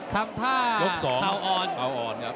ตามต่อยกที่สองครับ